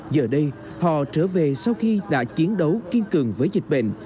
giờ đây họ trở về sau khi đã chiến đấu kiên cường với dịch bệnh